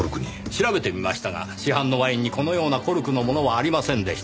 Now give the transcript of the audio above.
調べてみましたが市販のワインにこのようなコルクのものはありませんでした。